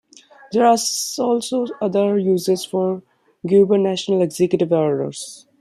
There are also other uses for gubernatorial executive orders.